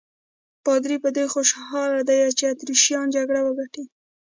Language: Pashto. پادري په دې خوشاله دی چې اتریشیان جګړه وګټي.